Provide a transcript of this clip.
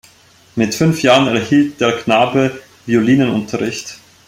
Mit fünf Jahren erhielt der Knabe Violinunterricht.